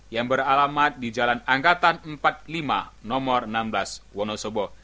yang beralamat di jalan angkatan empat puluh lima nomor enam belas wonosobo